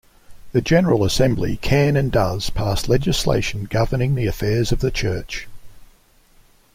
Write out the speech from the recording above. The General Assembly can and does pass legislation governing the affairs of the Church.